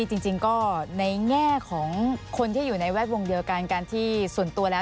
จริงก็ในแง่ของคนที่อยู่ในแวดวงเดียวกันการที่ส่วนตัวแล้ว